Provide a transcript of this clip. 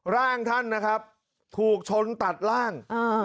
ร่างท่านนะครับถูกชนตัดร่าง